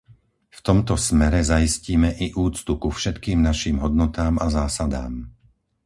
V tomto smere zaistíme i úctu ku všetkým naším hodnotám a zásadám.